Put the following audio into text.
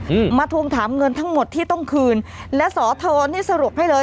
อืมมาทวงถามเงินทั้งหมดที่ต้องคืนและสอทรนี่สรุปให้เลย